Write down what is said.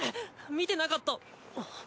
見てなかった。